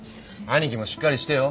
兄貴もしっかりしてよ。